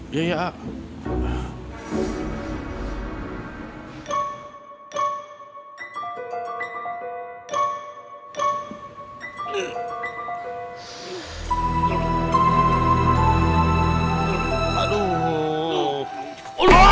gak sengaja gak sengaja